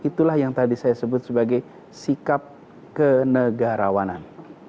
itulah yang tadi saya sebut sebagai sikap kenegarawanan